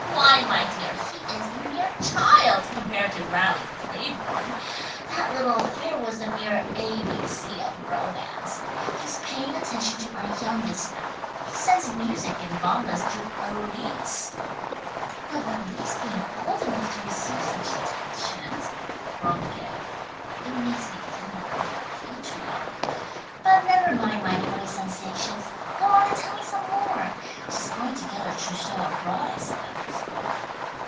"Why my dear, he is a mere child compared to Raleigh Claiborne. That little affair was the mere A. B. C. of romance. He's paying attention to our youngest now. He sends music and bon bons to Elise." "Think of Elise being old enough to receive such attentions!" groaned Gay. "It makes me feel like a patriarch. But never mind my hoary sensations, go on and tell me some more. She's going to get her trousseau abroad I suppose."